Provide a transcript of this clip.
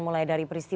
mas yonatan tadi pagi